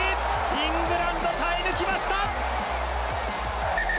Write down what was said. イングランド、耐え抜きました！